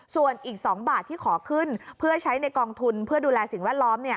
ส่วนอีก๒บาทที่ขอขึ้นเพื่อใช้ในกองทุนเพื่อดูแลสิ่งแวดล้อม